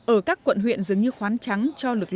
ở các quận huyện dường như khoa học